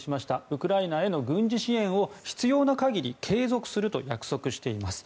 ウクライナへの軍事支援を必要な限り継続すると約束しています。